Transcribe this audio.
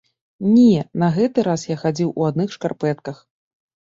Не, на гэты раз я хадзіў у адных шкарпэтках.